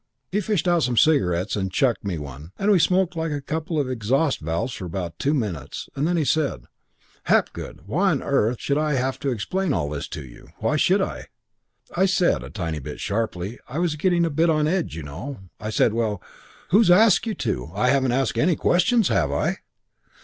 He fished out some cigarettes and chucked me one and we smoked like a couple of exhaust valves for about two minutes and then he said, 'Hapgood, why on earth should I have to explain all this to you? Why should I?' "I said, a tiny bit sharply I was getting a bit on edge, you know I said, 'Well, who's asked you to? I haven't asked any questions, have I?'